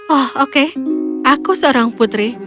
oh oke aku seorang putri